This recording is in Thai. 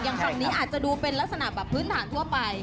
ฝั่งนี้อาจจะดูเป็นลักษณะแบบพื้นฐานทั่วไป